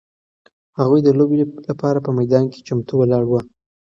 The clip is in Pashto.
هغوی د لوبې لپاره په میدان کې چمتو ولاړ وو.